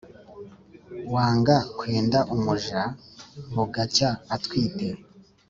Wanga kwenda umuja bugacya atwite.